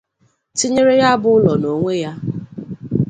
tínyéré ya bụ ụlọ n'onwe ya